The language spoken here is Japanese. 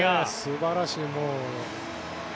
素晴らしい。